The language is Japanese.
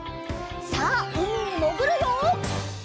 さあうみにもぐるよ！